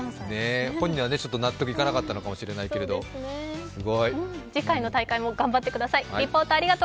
本人は納得いかなかったかもしれないけど次回の大会も頑張ってください。